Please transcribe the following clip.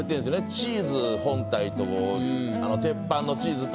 チーズ本体と鉄板のチーズと。